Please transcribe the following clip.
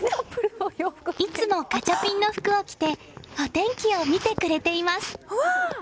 いつもガチャピンの服を着てお天気を見てくれています。